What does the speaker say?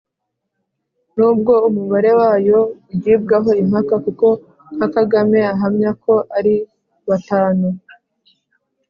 n'ubwo umubare wayo ugibwaho impaka, kuko nka Kagame ahamya ko ari batanu.